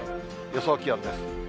予想気温です。